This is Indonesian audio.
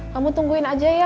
kamu tungguin aja ya